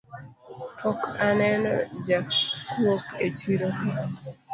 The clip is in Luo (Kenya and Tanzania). Pok aneno jakuok echiroka